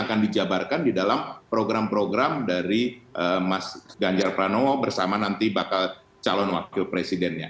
akan dijabarkan di dalam program program dari mas ganjar pranowo bersama nanti bakal calon wakil presidennya